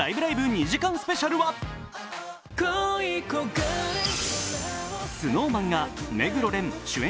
２時間スペシャルはＳｎｏｗＭａｎが目黒蓮主演